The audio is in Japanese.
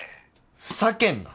ふざけんな。